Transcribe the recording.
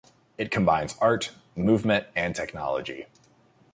It combines art, movement, and technology.